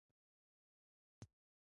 ایا زما ستونی به ښه شي؟